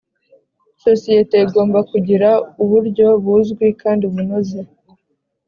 Sosiyete igomba kugira uburyo buzwi kandi bunoze.